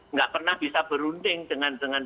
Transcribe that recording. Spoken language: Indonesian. nggak pernah bisa berunding dengan